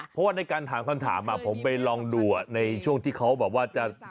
เพราะว่าในการถามคำถามผมไปลองดูในช่วงที่เขาแบบว่าจะ